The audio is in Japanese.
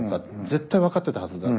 絶対分かってたはずだ。